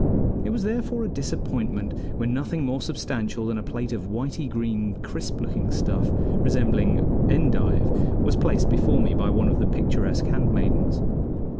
It was therefore a disappointment when nothing more substantial than a plate of whitey green, crisp looking stuff resembling endive, was placed before me by one of the picturesque handmaidens.